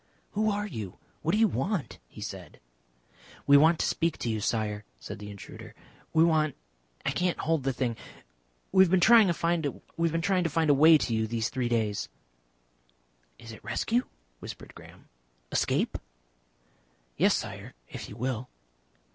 "Who are you? What do you want?" he said. "We want to speak to you, Sire," said the intruder. "We want I can't hold the thing. We have been trying to find a way to you these three days." "Is it rescue?" whispered Graham. "Escape?" "Yes, Sire. If you will."